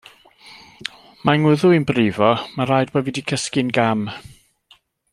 Mae 'y ngwddw i'n brifo, mae raid bo' fi 'di cysgu'n gam.